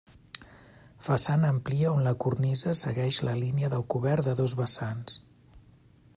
Façana amplia on la cornisa segueix la línia del cobert de dos vessants.